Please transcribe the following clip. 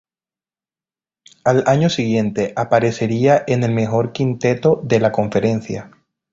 Al año siguiente aparecería en el mejor quinteto de la conferencia.